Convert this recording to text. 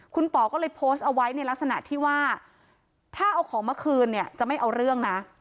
คุณป๋อก็เลยโพสต์เอาไว้ในลักษณะที่ว่าถ้าเอาของมาคืนเนี่ยจะไม่เอาเรื่องนะ